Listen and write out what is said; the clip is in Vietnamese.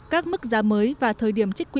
các mức giá mới và thời điểm trích quỹ